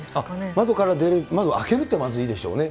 窓から出る、窓を開けるとまずいでしょうね。